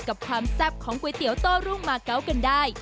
กับความแซ่บของก๋วยเตี๋ยวโต้รุ่งมาเกาะกันได้